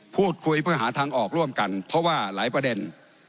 พูดคุยเพื่อหาทางออกร่วมกันเพราะว่าหลายประเด็น